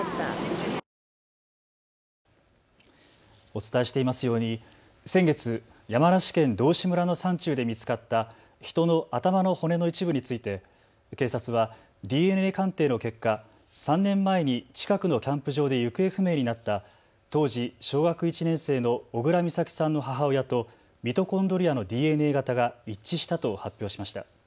お伝えしていますように先月山梨県道志村の山中で見つかった人の頭の骨の一部について警察はＤＮＡ鑑定の結果、３年前に近くのキャンプ場で行方不明になった当時小学１年生の小倉美咲さんの母親とミトコンドリアのＤＮＡ型が一致したと発表しました。